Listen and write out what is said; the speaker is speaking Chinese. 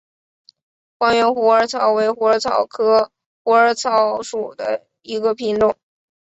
光缘虎耳草为虎耳草科虎耳草属下的一个种。